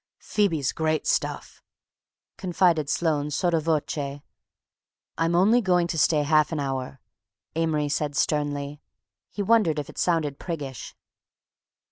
"Phoebe's great stuff," confided Sloane, sotto voce. "I'm only going to stay half an hour," Amory said sternly. He wondered if it sounded priggish.